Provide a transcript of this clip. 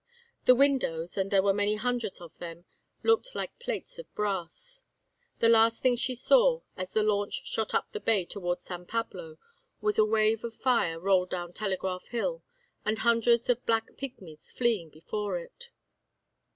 The windows, and there were many hundreds of them, looked like plates of brass. The last thing she saw, as the launch shot up the bay towards San Pablo, was a wave of fire roll down Telegraph Hill, and hundreds of black pigmies fleeing before it.